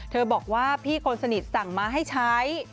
บอกว่าพี่คนสนิทสั่งมาให้ใช้